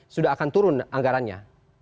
sudah akan turun anggarannya